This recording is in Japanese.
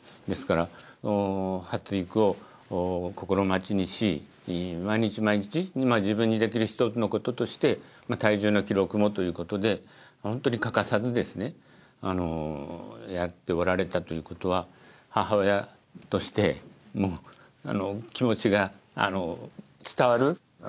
ですから発育を心待ちにし毎日毎日今自分にできる１つのこととして体重の記録もということでホントにかかさずですねやっておられたということは母親としてもう気持ちが伝わる。